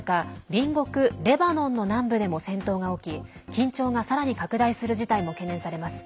隣国レバノンの南部でも戦闘が起き緊張が、さらに拡大する事態も懸念されます。